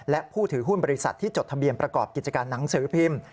และผู้ถือหุ้นบริษัทที่จดทะเบียนประกอบกิจการหนังสือพิมพ์